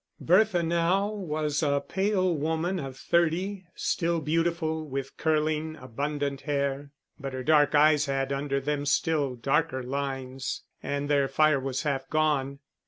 Bertha now was a pale woman of thirty, still beautiful, with curling, abundant hair; but her dark eyes had under them still darker lines, and their fire was half gone.